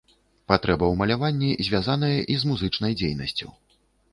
Патрэба ў маляванні звязаная і з музычнай дзейнасцю.